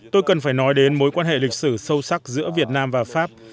tôi cần phải nói đến mối quan hệ lịch sử sâu sắc giữa việt nam và pháp